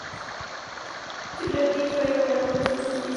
Togliatti fue nombrado Ministro de Justicia.